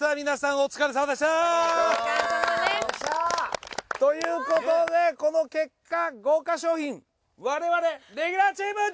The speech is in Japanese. お疲れさまです。ということでこの結果豪華賞品我々レギュラーチーム叙々苑！